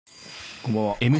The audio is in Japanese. こんばんは。